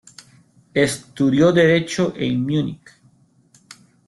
Estudió Derecho en Münich.